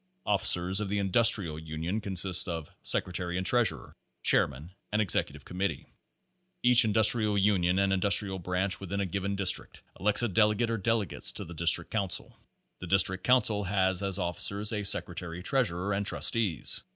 Officers of the Industrial Union consist of secretary and treasurer, chairman, and executive committee. Each Industrial Union and Industrial Branch within a given district elects a delegate or delegates to the Dis trict Council. The District Council has as officers a sec retary treasurer and trustees.